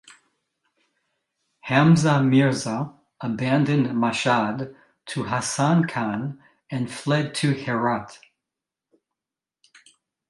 Hamza Mirza abandoned Mashad to Hasan Khan and fled to Herat.